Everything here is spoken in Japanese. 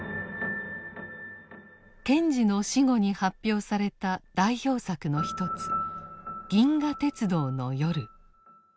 賢治の死後に発表された代表作の一つ「銀河鉄道の夜」。